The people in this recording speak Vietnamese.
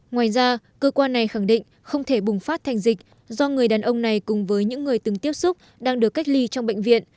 ngoài ra cơ quan này khẳng định không thể bùng phát thành dịch do người đàn ông này cùng với những người từng tiếp xúc đang được cách ly trong bệnh viện